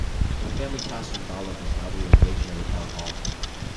The family castle in Ballum is now the location of the town hall.